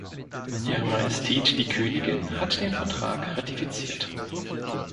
Ihre Majestät die Königin hat den Vertrag ratifiziert.